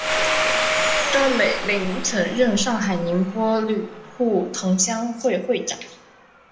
张美翊曾任上海宁波旅沪同乡会会长。